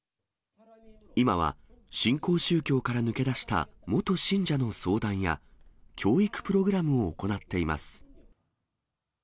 今は新興宗教から抜け出した元信者の相談や、教育プログラムを行っています。